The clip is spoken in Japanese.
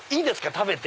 食べて。